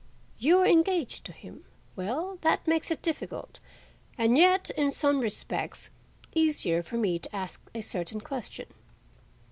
"You are engaged to him. Well, that makes it difficult, and yet, in some respects, easier for me to ask a certain question."